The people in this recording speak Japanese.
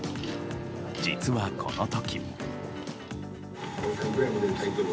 実は、この時。